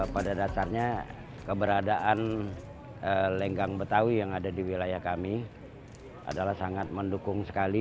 pada dasarnya keberadaan lenggang betawi yang ada di wilayah kami adalah sangat mendukung sekali